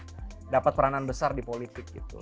kita kan punya ingin lebih dapat peranan besar di politik gitu